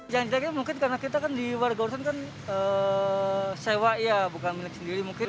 yang jelas mungkin karena kita kan di warga urusan kan sewa ya bukan milik sendiri mungkin